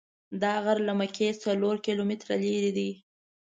دا غر له مکې څلور کیلومتره لرې دی.